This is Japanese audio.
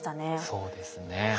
そうですね。